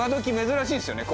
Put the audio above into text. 珍しいっすよね